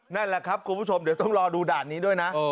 นั่นแหละครับคุณผู้ชมเดี๋ยวต้องรอดูด่านนี้ด้วยนะ